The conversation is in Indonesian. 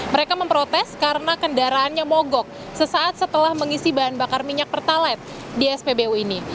mereka memprotes karena kendaraannya mogok sesaat setelah mengisi bahan bakar minyak pertalite di spbu ini